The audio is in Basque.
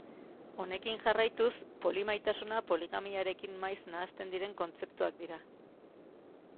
Honekin jarraituz, polimaitasuna poligamiarekin maiz nahasten diren kontzeptuak dira.